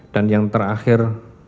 dan yang terakhir